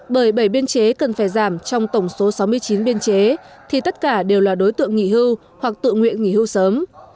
bởi bảy biên chế cần phải giảm trong tổng số sáu mươi chín biên chế thì tất cả đều là đối tượng nghỉ hưu hoặc tự nguyện nghỉ hưu sớm